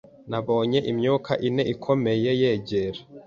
Nabonye imyuka ine ikomeye yegera